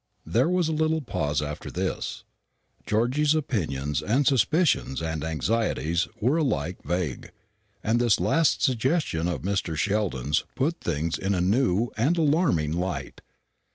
There was a little pause after this. Georgy's opinions, and suspicions, and anxieties were alike vague; and this last suggestion of Mr. Sheldon's put things in a new and alarming light.